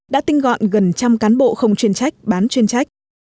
đã tinh gọn gần trăm cán bộ không chuyên trách bán chuyên trách